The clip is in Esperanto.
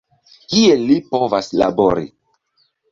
Kiel li povas labori?